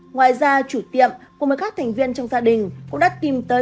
ngoài ra chủ tiệm cùng với các thành viên trong gia đình cũng đã tìm tới